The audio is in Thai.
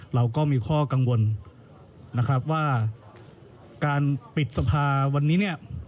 เราก็มีข้อกังวลนะครับว่าการปิดสภาวันนี้เนี่ย